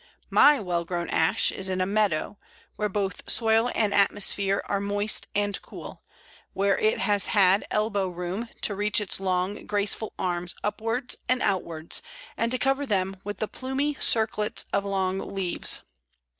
My well grown Ash is in a meadow, where both soil and atmosphere are moist and cool; where it has had elbow room to reach its long graceful arms upwards and outwards, and to cover them with the plumy circlets of long leaves.